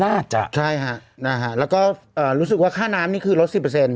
น่าจะค่ะแล้วก็รู้สึกว่าค่าน้ำนี่คือลด๑๐